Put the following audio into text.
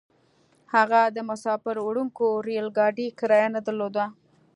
هغه د مساپر وړونکي ريل ګاډي کرايه نه درلوده.